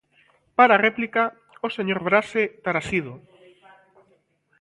Para a réplica, o señor Braxe Tarasido.